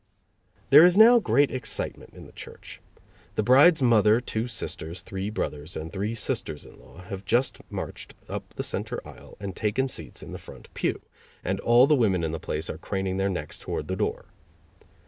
There is now great excitement in the church. The bride's mother, two sisters, three brothers and three sisters in law have just marched up the center aisle and taken seats in the front pew, and all the women in the place are craning their necks toward the door.